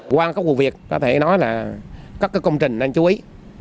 qua các vụ việc có thể nói là các công trình đang chú ý